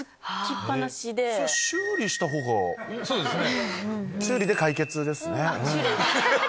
そうですね。